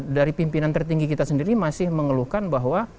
dari pimpinan tertinggi kita sendiri masih mengeluhkan bahwa